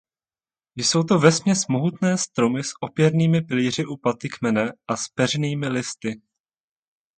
Jsou to vesměs mohutné stromy s opěrnými pilíři u paty kmene a zpeřenými listy.